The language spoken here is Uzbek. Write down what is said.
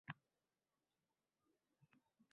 U yoq-bu yoqqa chopardim